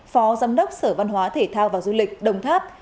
phó giám đốc sở văn hóa thể thao và du lịch đồng tháp